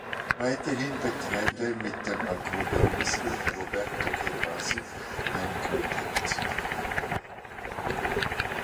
Weiterhin betreibt er mit dem Akkordeonisten Roberto Gervasi ein Quartett.